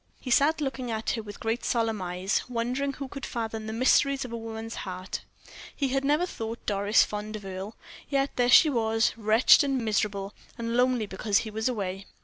He sat looking at her with great solemn eyes, wondering who could fathom the mysteries of a woman's heart. He had never thought Doris fond of Earle, yet there she was, wretched, miserable, and lonely, because he was away.